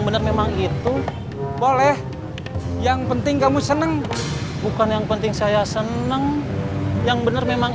benar memang itu boleh yang penting kamu seneng bukan yang penting saya senang yang bener memang